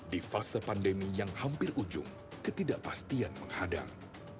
di fase pandemi yang hampir ujung ketidakpastian menghadang